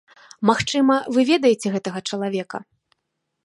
Магчыма, вы ведаеце гэтага чалавека.